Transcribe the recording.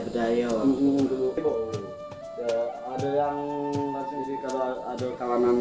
tidak sedikit generasi muda orang rimba yang sama sekali dengan kita